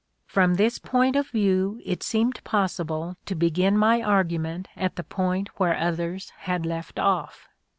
From this point of view it seemed possible to begin my argument at the point where others had left off.